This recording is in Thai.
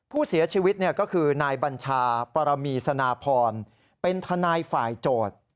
ผู้เสียชีวิตก็คือนายบัญชาปรมีสนาพรเป็นทนายฝ่ายโจทย์